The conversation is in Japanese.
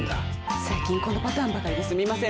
最近このパターンばかりですみません。